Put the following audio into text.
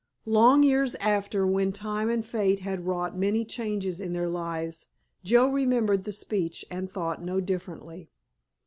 Long years after, when time and fate had wrought many changes in their lives, Joe remembered the speech and thought no differently.